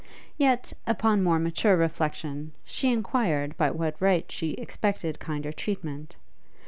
Yet, upon more mature reflexion, she enquired by what right she expected kinder treatment.